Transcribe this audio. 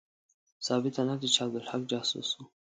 ثابته نه ده چې عبدالحق جاسوس وو.